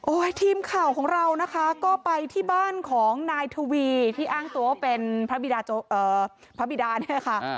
ทีมข่าวของเรานะคะก็ไปที่บ้านของนายทวีที่อ้างตัวว่าเป็นพระบิดาเนี่ยค่ะ